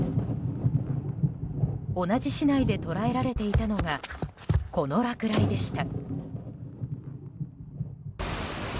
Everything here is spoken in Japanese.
同じ市内で捉えられていたのがこの落雷でした。